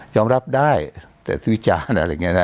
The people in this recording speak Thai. ยอมรับได้แต่วิจารณ์อะไรเงี้ยนะ